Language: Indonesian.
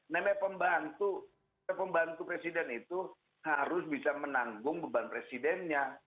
namanya pembantu presiden itu harus bisa menanggung beban presidennya